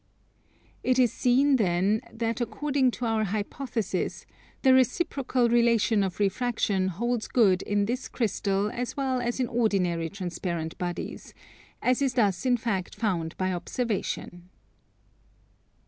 It is seen then that, according to our hypothesis, the reciprocal relation of refraction holds good in this crystal as well as in ordinary transparent bodies; as is thus in fact found by observation.